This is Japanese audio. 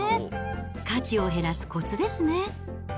家事を減らすこつですね。